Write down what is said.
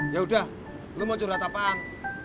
ya udah lo mau curhat apaan